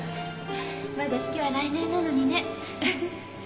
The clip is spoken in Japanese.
まだ式は来年なのにね